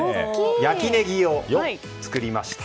焼きねぎを作りました。